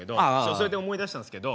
それで思い出したんですけど。